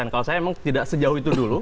kalau saya memang tidak sejauh itu dulu